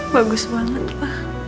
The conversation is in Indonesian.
bagus banget pak